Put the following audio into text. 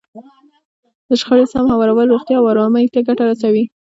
د شخړې سم هوارول روغتیا او ارامۍ ته ګټه رسوي.